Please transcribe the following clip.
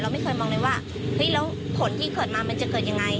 ไม่เคยมองเลยว่าเฮ้ยแล้วผลที่เกิดมามันจะเกิดยังไง